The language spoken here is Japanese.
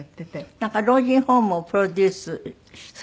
なんか老人ホームをプロデュースしたい？